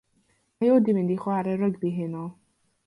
Mae o 'di mynd i chwarae rygbi heno.